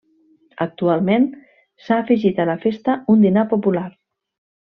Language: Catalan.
Actualment s'ha afegit a la festa un dinar popular.